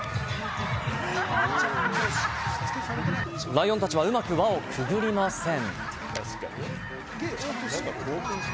ライオンたちはうまく輪をくぐりません。